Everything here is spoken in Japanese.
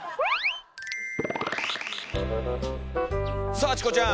さあチコちゃん！